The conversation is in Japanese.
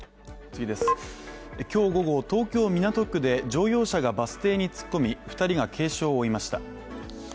今日午後、東京・港区で乗用車がバス停に突っ込み、２人が軽傷を負いました。